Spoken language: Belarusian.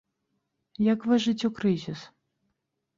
Як выжыць у крызіс?